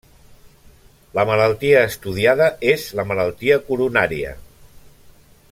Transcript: La malaltia estudiada és la malaltia coronària.